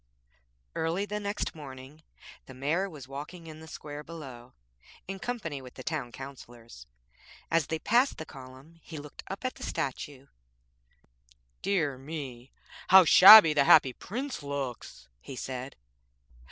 Early the next morning the Mayor was walking in the square below in company with the Town Councillors. As they passed the column he looked up at the statue: 'Dear me! how shabby the Happy Prince looks!' he said.